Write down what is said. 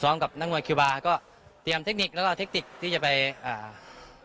กับนักมวยคิวบาร์ก็เตรียมเทคนิคแล้วก็เทคนิคที่จะไปอ่า